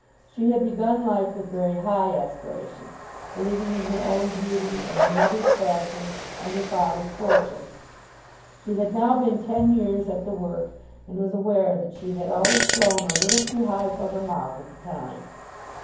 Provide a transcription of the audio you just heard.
She had begun life with very high aspirations, believing in her own beauty, in her mother's fashion, and her father's fortune. She had now been ten years at the work, and was aware that she had always flown a little too high for her mark at the time.